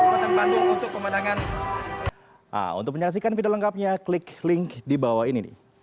pasang pantung untuk pembantangan